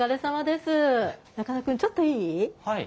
中野君ちょっといい？